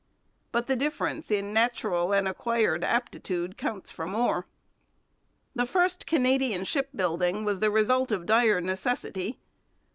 But the difference in natural and acquired aptitude counts for more. The first Canadian shipbuilding was the result of dire necessity.